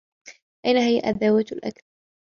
أين هي أدوات الأكل؟